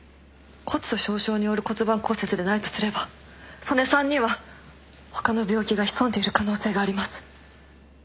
骨粗しょう症による骨盤骨折でないとすれば曽根さんには他の病気が潜んでいる可能性があります。